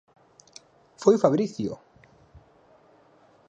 Foi Fabricio!